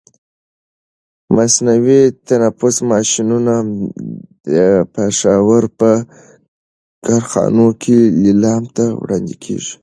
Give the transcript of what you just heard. مصنوعي تنفس ماشینونه د پښاور په کارخانو کې لیلام ته وړاندې کېږي.